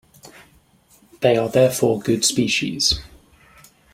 They are therefore good species.